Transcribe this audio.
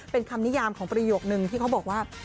เป็นคำนิยามของประโยคนึงที่เขาบอกว่า